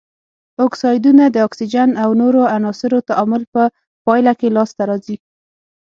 اکسایدونه د اکسیجن او نورو عناصرو تعامل په پایله کې لاس ته راځي.